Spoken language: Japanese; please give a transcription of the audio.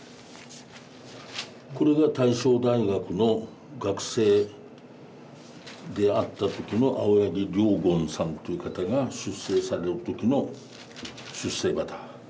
これが大正大学の学生であった時の青柳良厳さんという方が出征される時の出征旗。